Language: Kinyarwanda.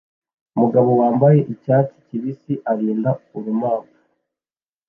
Umugabo wambaye icyatsi kibisi arinda urumamfu